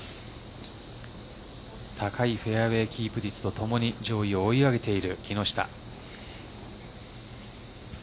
高いフェアウェイキープ率とともに上位を追い上げている木下。